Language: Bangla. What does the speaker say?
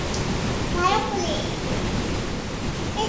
তিনি চেম্বার জাজ হিসেবে দায়িত্ব পালন করেছেন।